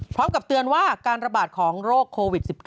พร้อมกับเตือนว่าการระบาดของโรคโควิด๑๙